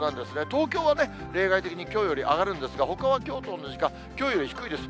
東京はね、例外的にきょうより上がるんですが、ほかはきょうと同じか、きょうより低いです。